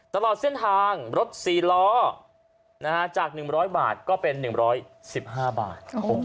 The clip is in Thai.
ตลอดเส้นทางรถสี่ล้อนะฮะจากหนึ่งร้อยบาทก็เป็นหนึ่งร้อยสิบห้าบาท